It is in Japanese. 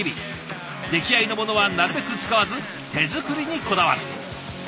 出来合いのものはなるべく使わず手作りにこだわる。